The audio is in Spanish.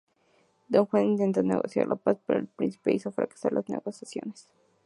Don Juan intentó negociar la paz, pero el príncipe hizo fracasar las negociaciones.